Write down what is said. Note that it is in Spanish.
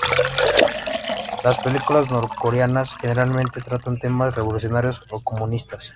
Las películas norcoreanas generalmente tratan temas revolucionarios o comunistas.